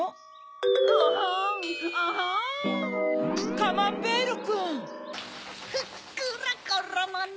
カマンベールくん！ふっくらころもの